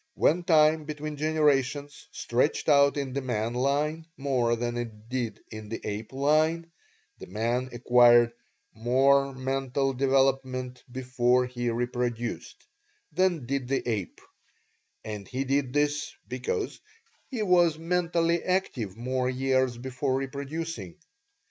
When time between generations stretched out in the man line more than it did in the ape line, the man acquired MORE MENTAL DEVELOPMENT BEFORE HE REPRODUCED than did the ape, and he did this because he was mentally active more years before reproducing.